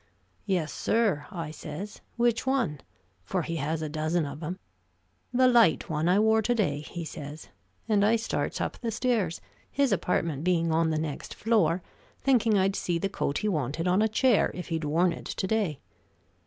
'Yes, sir,' I says; 'which one?' for he has a dozen of 'em. 'The light one I wore to day,' he says, and I starts up the stairs, his apartment being on the next floor, thinking I'd see the coat he wanted on a chair if he'd worn it to day.